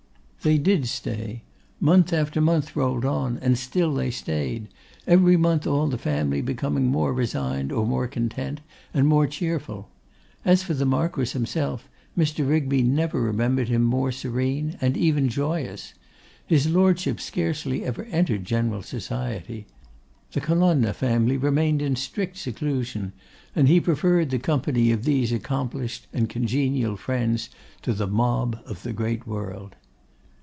They did stay. Month after month rolled on, and still they stayed; every month all the family becoming more resigned or more content, and more cheerful. As for the Marquess himself, Mr. Rigby never remembered him more serene and even joyous. His Lordship scarcely ever entered general society. The Colonna family remained in strict seclusion; and he preferred the company of these accomplished and congenial friends to the mob of the great world.